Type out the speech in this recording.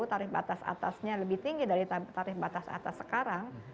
tarif batas atasnya lebih tinggi dari tarif batas atas sekarang